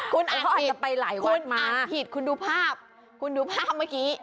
คุณอ่านผิดคุณอ่านผิดคุณดูภาพคุณดูภาพเหมือนกี้